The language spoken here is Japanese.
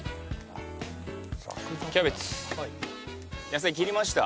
野菜切りました。